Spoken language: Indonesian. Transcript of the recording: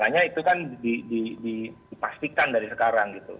karena itu kan dipastikan dari sekarang